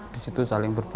di situ saling berbicara